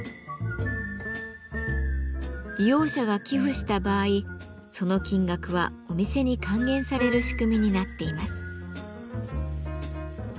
利用者が寄付した場合その金額はお店に還元される仕組みになっています。